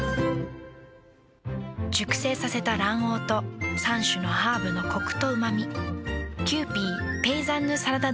熟成させた卵黄と３種のハーブのコクとうま味。